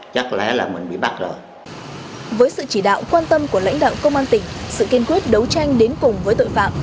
với sự chỉ đạo quan tâm của lãnh đạo công an tỉnh sự kiên quyết đấu tranh đến cùng với tội phạm